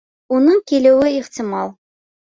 Уның килеүе ихтимал